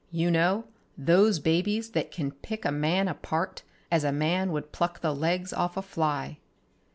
You know, those babies that can pick a man apart as a man would pluck the legs off a fly."